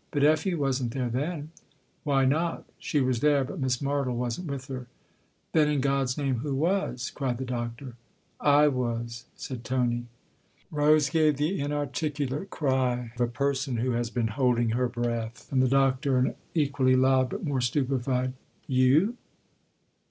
" But Effie wasn't there then." 256 THE OTHER HOUSE "Why not? She was there, but Miss Martle wasn't with her." "Then, in God's name, who was?" cried the Doctor. "/ was," said Tony. Rose gave the inarticulate cry of a person who has been holding her breath, and the Doctor an equally loud, but more stupefied "You?"